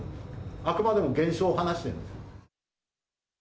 あくまでも現象を話しているんです。